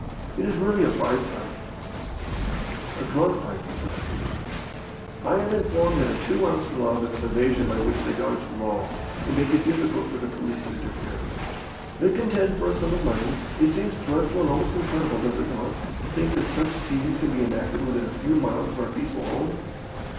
It is really a prize fight." "A glove fight, you said." "I am informed that a 2oz. glove is an evasion by which they dodge the law, and make it difficult for the police to interfere. They contend for a sum of money. It seems dreadful and almost incredible does it not? to think that such scenes can be enacted within a few miles of our peaceful home.